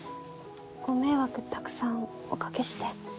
ご迷惑たくさんおかけして。